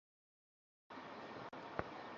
ও তো শুধু পালাতেই চেয়েছিল, তাই না?